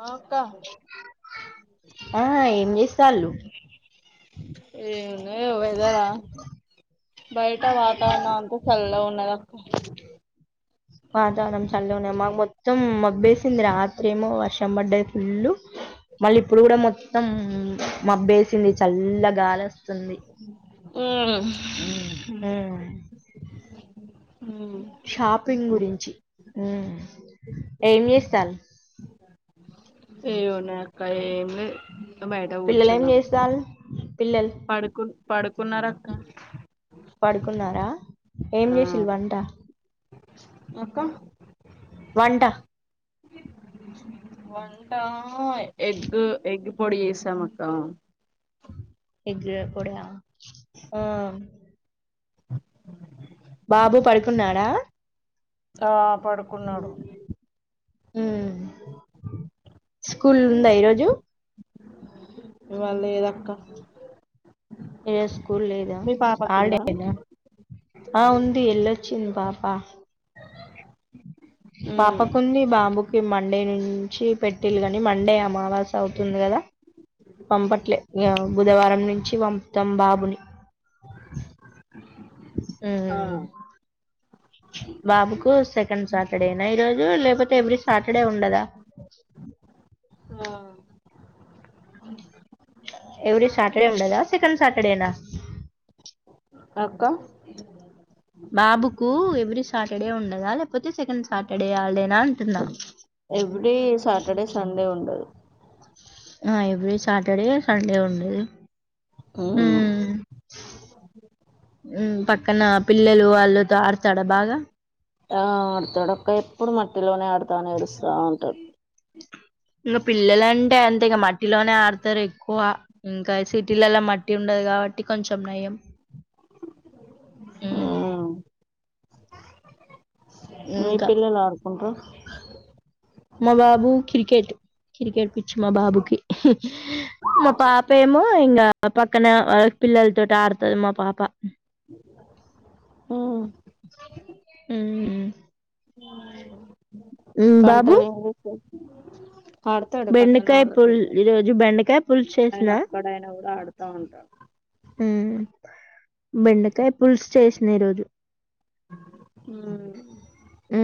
ఆ అక్క ఆ ఏం చేస్తళ్ళు ఏందో ఈ వెదరా బయట వాతావరణం అంతా చల్లగా ఉన్నదాక్క వాతావరణం చల్లగ ఉన్నాది మాకు మొత్తం మబ్బేసింది రాత్రేమో వర్షం పడ్డాది ఫుల్లు మళ్ళీ ఇప్పుడు కూడా మొత్తం మబ్బు వేసింది చల్లగాలి వస్త తుంది ఏమున్నది ఉమ్ షాపింగ్ గురించి ఉమ్ ఏం చేస్తాన్ ఏం ఉన్నాయక్క ఏం లె పిల్లలు ఏం చేస్థానృ పడుకున్ పడుకున్నార అక్క పడుకున్నారా ఏం చేసిల్లు వంట అక్క వంట వంటా ఎగ్ ఎగ్ పొడి ఏసాం అక్క ఎగ్ పొడా ఆమ్ బాబు పడుకున్నాడా ఆ పడుకున్నాడు ఉమ్ స్కూల్ ఉంద ఈరోజు ఇవాళ లేదక్క ఏ స్కూల్ లేదా మీ ఆల్ డే పాపకుందా అయిపోయిందా ఆ ఉంది ఎల్లొచ్చింది పాప ఉమ్ పాపకుంది బాబుక్ మండే నుంచి పెట్టిల్లు కానీ మండే అమావాస అవుతుంది కదా పంపట్లే బుధవారం నుంచి వం తం బాబుని ఉ ఆ బాబుకు సెకండ్ సాటర్డేనా ఈ రోజు లేకపోతే ఎవ్రీ సాటర్డే ఉండదా ఆ ఎవరీ సాటర్డే ఉండదా సెకండ్ సాటర్డే నా అక్క బాబుకు ఎవరీ సాటర్డే ఉండదా లే పతే సెకండ్ సాటర్డే ఆల్డేనా అంటున్నా ఎవ్రీ సాటర్డే సండే ఉండదు ఆ ఎవరీ సాటర్డే సండే ఉండదు ఉ ఉమ్ పక్కన పిల్లలు వాళ్ళతో ఆడతాడా బాగా ఆ ఆడతాడుక్క ఎప్పుడు మట్టిలోనే ఆడతానేరుస్తా ఉంటాడు ఇంగ పిల్లలంటే అంతే ఇగ మట్టిలోనే ఆడతారు ఎక్కువ ఇంకా సిటీలలా మట్టి ఉండదు కాబట్టి కొంచం నయం ఉ ఉమ్ మీ పిల్లలు ఆడుకుంట్ర మా బాబు క్రికెట్ క్రికెట్ పిచ్చి మా బాబుకి మా పాప ఏమో ఇంగ పక్కన పిలలుతోటి ఆర్తది మా పాపా హ ఉ బాబు వంటలు ఏం ఆడతాడు పక్కన బెండకాయ పుల్ వాళ్ళతోటి ఈ రోజు బెండకాయ పులుస్ ఆయన చేసిన ఒక్కడైనా కూడా ఆడుతా ఉంటాడు ఉ బెండకాయ పులిస్ చేసిన ఈరోజు అ ఉ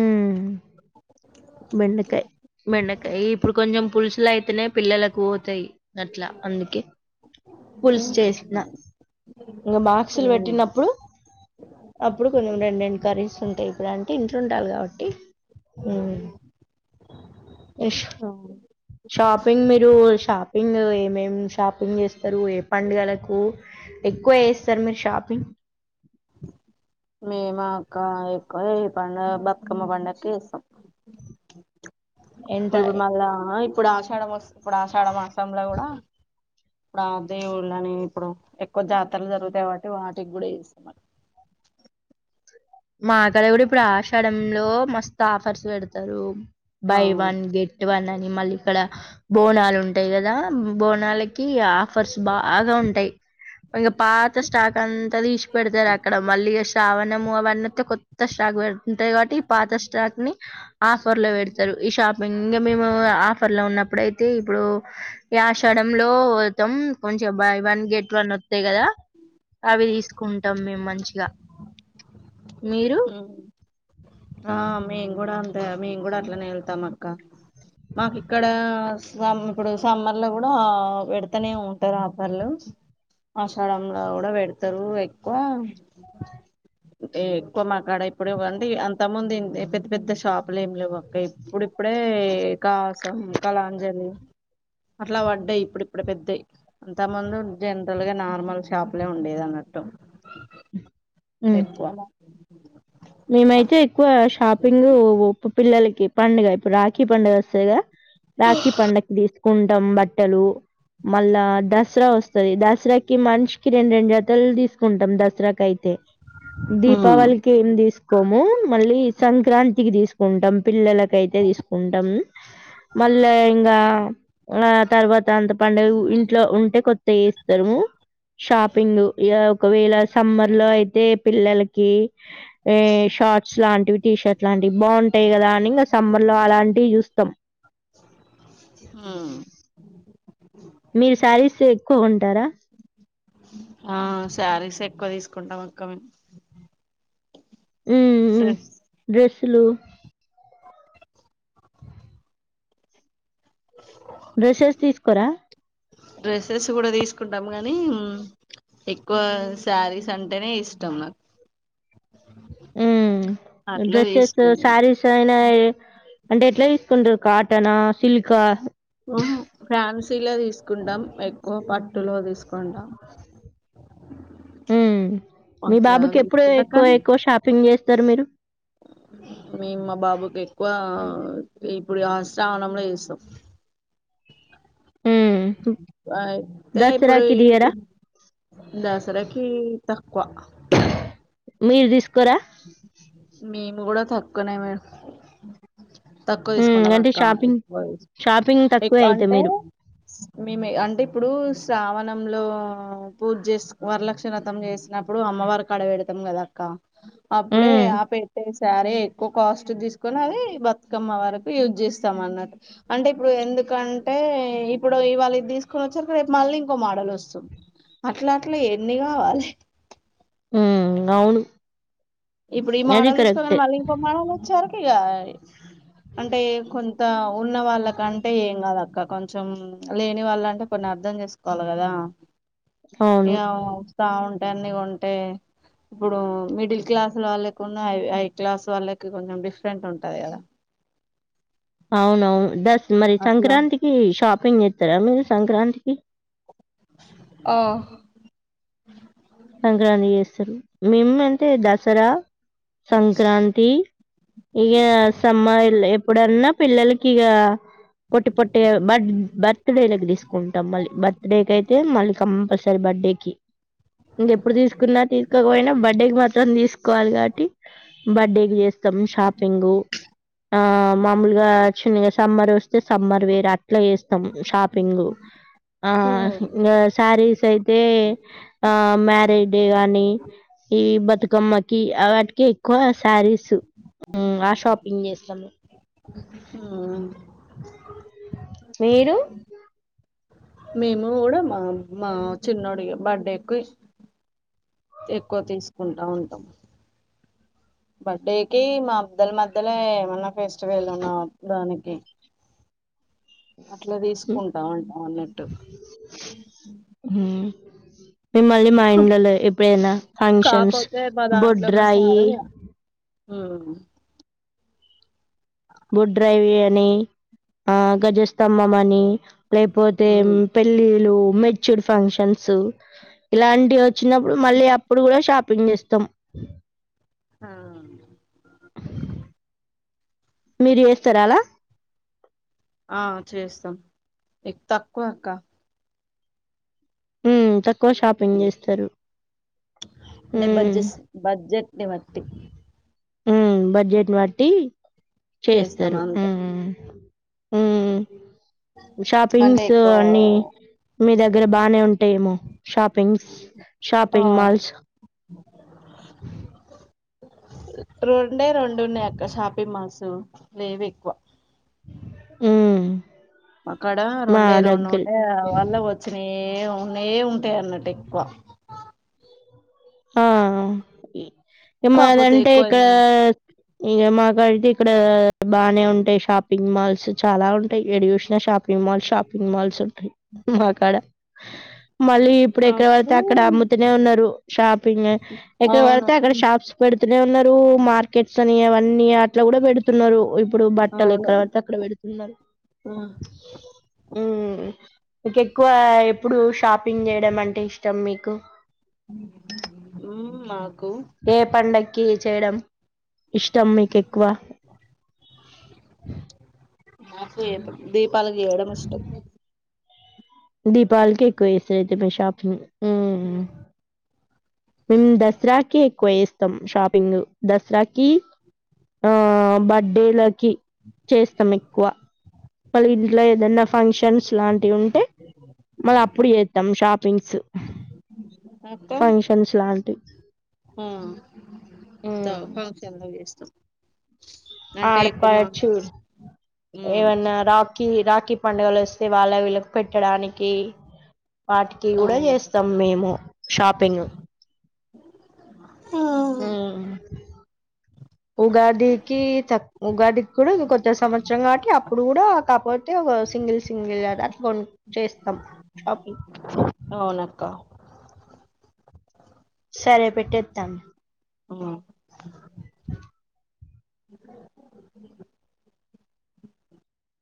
బెండకాయ్ బెండకాయి ఇప్పుడు కొంచెం పులుసులు అయి త్తనే పిల్లలకు పోతాయి అట్లా అందుకే పుల్సు చేసిన ఇంకా బాక్సులు పెట్టినప్పుడు అప్పుడు కొంచెం రెండు రెండు కర్రీస్ ఉంటాయి. అలా అంటే ఇంట్లోండాలి కాబట్టి మ్ అవును షాపింగ్ మీరు షాపింగ్ ఏమేం షాపింగ్ చేస్తారు ఏ పండుగలకు? ఎక్కువ ఏస్తారు మీరు షాపింగ్ మేముక్క ఎక్కువ ఏ పండుగ బతుకమ్మ పండగకి చేస్తాం ఇప్పుడు ఎంత మళ్ళా ఇప్పుడు ఆషాఢ వస్తు ఇప్పుడు ఆషాఢ మాసంలో కూడా ఇప్పుడు ఆ దేవుళ్ళ అని ఇప్పుడు ఎక్కువ జాతరలు జరుగుతాయి కాబట్టి వాటికి కూడా చేస్తా మాక్కడ కూడా ఇప్పుడు ఆశడంలో మస్తు ఆఫర్స్ పెడతారు. ఆ బై వన్ గెట్ వన్ అని మళ్ళీ ఇక్కడ బోనాలు ఉంటాయి కదా బోనాల కి ఆఫర్స్ బాగా ఉంటాయి ఇంకా పాత స్టాక్ అంతా తీసు క్ పెడతారు అక్కడ మళ్ళీ శ్రావనము అవన్న కొత్త షాక్ పెడత ఉంటాయి కాబట్టి ఈ పాత స్టాక్ ని ఆఫర్ లో పెడతారు ఈ షాపింగ్ ఇంకా మేము ఆఫర్ లో ఉన్నప్పుడుయితే ఇప్పుడు ఇ ఆశడంలో పోతాం కొంచెం బై వన్ గెట్ వన్ వత్తాయి కదా అవి తీసుకుంటాం మేము మంచిగా మీరు మ్ ఆ మేం కూడా అంతే మేం కూడా అట్లనే వెళ్తాం అక్క. మాకు ఇక్కడ సమ్ ఇప్పుడు సమ్మర్ లో కూడా పెడతనే ఉంటారు ఆఫర్లు. ఆషాడంలో కూడా పెడతారు ఎక్కువ నువ్వా ఏ ఎక్కువ మాక్కడ ఇప్పుడు ఇవ్వండి అంత ముంది పెద్ద పెద్ద షాపులు ఏమి లేవుక్క ఇప్పుడు ఇప్పుడే కాసం, కళాంజలి అట్లా పడ్డాయి ఇప్పుడు ఇప్పుడు పెద్దయి అంత ముందు జనరల్ గా నార్మల్ షాప్లే ఉండేది అన్నట్టు ఉమ్ ఎక్కువ మేమైతే ఎక్కువ షాపింగ్ ఉ పిల్లలకి పండుగ ఇప్పుడు రాఖీ పండుగ వస్తాదిగా రాఖీ పండగకి తీసుకుంటాం బట్టలు మళ్ళా దసరా వస్తది దసరాకి మనిషికి రెండు రెండు జతలు తీసుకుంటాం దసరాకి అయితే ఉమ్ దీపావళికి ఏంది తీసుకోము మళ్ళీ సంక్రాంతికి తీసుకుంటాం పిల్లల కు అయితే తీసుకుంటాం మళ్ళా ఇంకా ఆ తర్వాత అంత పండగు ఇంట్లో ఉంటే కొత్తయి ఏస్తారుము షాపింగ్ ఇగ ఒకవేళ సమ్మర్ లో అయితే పిల్లలకి ఏ షార్ట్స్ లాంటివి, టీ షర్ట్ లాంటివి బావుంటాయి కదా అని ఇంకా సమ్మర్ లో అలాంటివి చూస్తాం. ఆ మీరు సారీస్ ఎక్కువ కొంటారా? కొంటాం అక్క మేం డ్రెస్ లు డ్రెషెస్ తీసుకోరా? డ్రెస్సెస్ కూడా తీసుకుంటాం గానీ ఎక్కువ శారీస్ అంటేనే ఇ ష్టం నా ఉ అట్లా డ్రెస్సెస్ తీసుకునే శారీస్ అయినా అంటే ఎట్లా తీసుకుంటారు కాటనా సిల్కా ఉహు ఫాన్సీలో తీసుకుంటాం ఎక్కువ పట్టులో తీస్ కొందాం ఉ మీ బాబుకి ఎప్పుడు తీసుకుంటాం ఎక్కువ కానీ ఎక్కువ షాపింగ్ చేస్తరు మీరు మే మా బాబుకి ఎక్కువ ఇప్పుడు స్వనంలో ఎస్తం ఉ అయితే ఇప్పుడు దియరా? దసరాకి తక్కువ మీర్ దిస్కోరా మేము గూడ తక్కువనే మేడ తక్కువ హ్మ్. తీసుకుంటాం అంటే అక్క షాపింగ్ ఎక్కువ షాపింగ్ ఎక్ తక్కువే అయితే అంటే మీరు. మేము అంటే ఇప్పుడు శ్రావణంలో పూజ చేసి వరలక్ష్మివ్రతం చేసినప్పుడు అమ్మవారి కాడ పెడతాం కదాక్క అప్పుడే హ్మ్. ఆ పెట్టెస్ సరే ఎక్కువ కాస్ట్ తీసుకొని అది బతుకమ్మ వరకు యూజ్ జేస్తాం అన్నట్ అంటే ఇప్పుడు ఎ ఎందుకంటే ఇప్పుడు ఇవాళ ఇది తీసుకొవచ్చ రేపు మళ్ళీ ఇంకో మోడల్ వస్తుం అట్లా అట్ల ఎన్ని గావాలె ఉ అవును ఇప్పుడు ఈ అది మోడల్ తీసుకోగాని కరెక్టే. మళ్ళీ ఇంకో మోడల్ వచ్చారుకి ఇగ అంటే కొ ఉన్న వాళ్ళకంటే ఏం కద ఇంకా కొంచెం లేని వాళ్ళంటే కొన్ని అర్థం చేసుకోవాల్ల కదా అవును. వస్తా ఉంటే అన్ని కొంటే ఇప్పుడు మిడిల్ క్లాస్ వాళ్ళకును హై క్లాస్ వాళ్ళకి కొంచెం డిఫరెంట్ ఉంటది కదా అవునవు దస్ మరి అట్లా సంక్రాంతికి షాపింగ్ జేత్తరా మీరు సంక్రాంతికి ఆ సంక్రాంతి చేస్తరు మేము అంతే దసరా సంక్రాంతి ఇగ సమ్మల్ ఇప్ ఇప్పుడన్నా పిల్లలకిఇగ పొట్టి పొట్టి బర్త్ బర్త్డేలకి తీసుకుంటాం మళ్ళీ బర్త్ డేకయితే మళ్ళీ కంపల్సరీ సార్ బర్త్డేకి ఇంగెప్పుడు తీసుకున్నా తీసుకోకపోయినా బర్త్డేకి మాత్రం తీసుకోవాలి కాబట్టి బర్త్డేకి చేస్ షాపింగ్ ఆ మామూలుగా చిన్నగా సమ్మర్ వస్తే సమ్మర్ వేర్ అప్లై చేస్తాం షాపింగ్ ఆ హ్మ్ ఇంగా శారీస్ అయితే ఆహ్, మ్యారేజ్ డే గాని ఈ బతుకమ్మకి వాటికే ఎక్కువ శారీస్ ఉమ్ ఆ షాపింగ్ చేస్తాము హ్మ్ మీరు మేము గూడా మా మా చిన్నోడి బర్త్డే ఎక్కువ తీసుకుంటా ఉంటాం బర్త్డేకి మా ఇద్దల మధ్యలో ఏమన్నా ఫెస్టివల్ ఉన్నా దానికి అట్ల తీసుకుంటా అంటాం అన్నట్టు మిమ్మల్ళీ మా ఇండ్లోలో ఎప్పుడైనా ఫంక్షన్స్ కాపోతే బొడ్రాయి. అవును. బొడ్రాయి అని ఆహ్ గజస్తంభం అని. లేకపోతే ఉమ్ పెళ్ళిళ్ళు మెచ్యూర్ ఫంక్షన్స్ ఇలాంటి వచ్. వచ్చినప్పుడు మళ్ళీ అప్పుడు కూడా షాపింగ్ చేస్తాం. ఆహ్. మీరు చేస్తార అలా. ఆహ్ చేస్తాం ఎక్ తక్కువ అక్క. ఉమ్ తక్కువ షాపింగ్ చేస్తారు. అంటే హ్మ్. బడ్జెట్స్ బడ్జెట్ని బట్టి. ఉమ్ బడ్జెట్ ని బట్టి. చేస్తామా అంతే. ఉమ్ అంటే షాపింగ్స్ ఎక్కువ అన్ని. మీ దగ్గర బానే ఉంటాయేమో షాపింగ్స్ ఆ షాపింగ్ మాల్స్. ఉమ్. రెండే రెండు ఉన్నాయి అక్క షాపీ మాల్సు లేవు ఎక్కువ. ఉమ్. అక్కడ రెండే రెండు ఉంటాయి అళ్ళా వచ్చినయే ఉన్నాయే ఉంటాయి అన్నట్టు ఎక్కువ. ఆహ్ ఏ కాపోతే మాదంటే ఎక్కువ ఇక్కడ. అయింద ఇంకా మాకుకైతే ఇక్కడ బాగానే ఉంటాయి షాపింగ్ మాల్స్ చాలా ఉంటాయి ఎడ చూసినా షాపింగ్. మాల్ షాపింగ్ మల్స్ ఉంటాయి మాకాడ. మళ్ళీ ఇప్పుడు ఎక్కడ వడితే మాకు అక్కడ అమ్ముతూనే ఉన్నారు. షాపింగ్ ఎక్కడ అవును పడితే అక్కడ షాప్స్ పెడుతనే ఉన్నారు. లు మార్కెట్స్ అని అవన్నీ అట్లా కూడా పెడుతున్నారు. ఇప్పుడు బట్టలు అవును ఎక్కడ పడితే అక్కడ పెడుతున్నారు. ఆ. మీకు ఎక్కువ ఎప్పుడు షాపింగ్ చేయడం అంటే ఇష్టం మీకు. ఉమ్ మాకు. ఏ పండకి. కి చేయడం ఇష్టం మీకు ఎక్కువ. మాకు దీపాలకి చేయడం ఇష్టం. దీపావళికి ఎక్కువ ఇస్తరేతే మషపు ఉమ్ దసరా. ఎక్కువ చేస్తాం షాపింగ్ దసరాకి ఆహ్ బర్డేల. చేస్తాం ఎక్కువ మళ్లీ ఉమ్. ఇట్లా ఏదన్నా ఫంక్షన్స్ లాంటివి ఉంటే. మళ్ళా అప్పుడు చేస్తాం షాపింగ్స్. అక్క ఫంక్షన్స్ లాంటివి. ఫ ఫంక్షన్లకి చేస్తా. ఆడపాడుచూ మ్మ్ ఏవన్న రాఖీ రాఖీ. పండుగలు వస్తే వాళ్ళకి వీళ్ళకి పెట్టడానికి వాటికి కూడా చేస్తాం మేము. షాపింగ్. ఉమ్. ఉమ్. ఉగాదికి తక్ ఉగాదికి కూడా కొత్త సంవత్సరం కాబట్టి అప్పుడు కూడా కాపోతే. ఒక సింగిల్ సింగిల్ అ అట్ల కొ చేస్తం షాపింగ్ అవునక్క సరే పెట్టేత్తాన్ ఓ అ